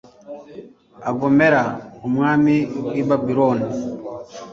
agomera umwami w i Babuloni